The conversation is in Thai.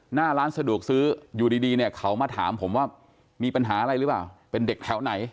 หน้าร้านสะดวกซื้ออยู่ดีเนี่ยเขามาถามผมว่ามีปัญหาอะไรหรือเปล่าเป็นเด็กแถวไหน